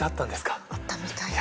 あったみたいです。